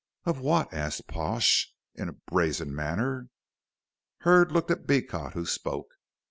"Of what?" asked Pash, in a brazen manner. Hurd looked at Beecot who spoke. "Mr.